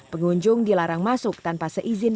pengunjung dilarang masuk tanpa seizin